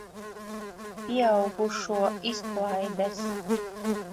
Pieaugušo izklaides.